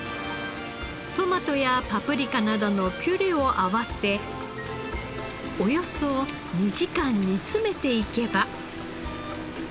トマトやパプリカなどのピュレを合わせおよそ２時間煮詰めていけば。